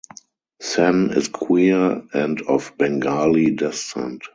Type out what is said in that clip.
Sen is queer and of Bengali descent.